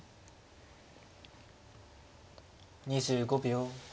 ２５秒。